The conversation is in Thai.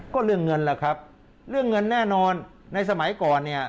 ก็เรื่องเงินล่ะครับเรื่องเงินแน่นอนในสมัยก่อนเนี่ย